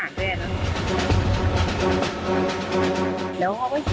มันเป็นอาหารของพระราชา